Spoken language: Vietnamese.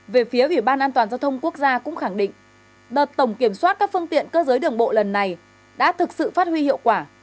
về phía ủy ban an toàn giao thông quốc gia cũng khẳng định đợt tổng kiểm soát các phương tiện cơ giới đường bộ lần này đã thực sự phát huy hiệu quả